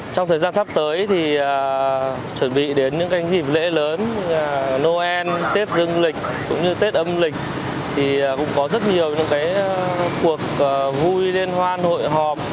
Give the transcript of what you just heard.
trong thời gian noel tết dương lịch cũng như tết âm lịch thì cũng có rất nhiều những cuộc vui liên hoan hội họp